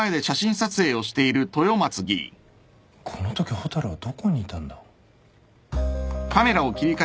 このとき蛍はどこにいたんだ？